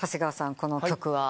この曲は？